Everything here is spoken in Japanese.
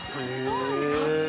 そうなんですか。